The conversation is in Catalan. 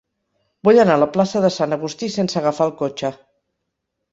Vull anar a la plaça de Sant Agustí sense agafar el cotxe.